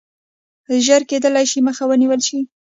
ژر کېدلای شي مخه ونیوله شي.